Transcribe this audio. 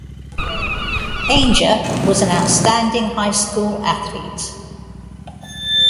Ainge was an outstanding high school athlete.